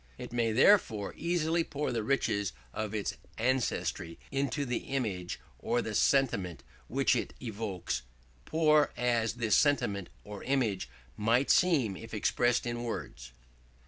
It may therefore easily pour the riches of its ancestry into the image or the sentiment which it evokes, poor as this sentiment or image might seem if expressed in words.